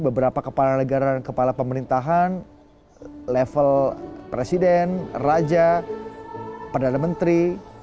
beberapa kepala negara dan kepala pemerintahan level presiden raja perdana menteri